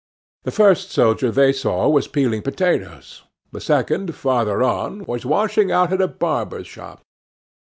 The first soldier they saw was peeling potatoes. The second, farther on, was washing out a barber's shop.